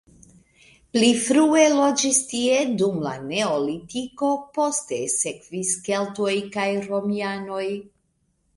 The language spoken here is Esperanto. Pli frue loĝis tie dum la neolitiko, poste sekvis keltoj kaj romianoj.